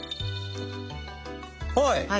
はい！